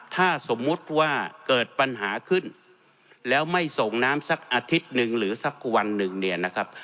ถ้าสมมุติว่าเกิดปัญหาขึ้นแล้วไม่ส่งน้ำสักอาทิตย์หนึ่งหรือสักวันหนึ่งเนี่ยนะครับ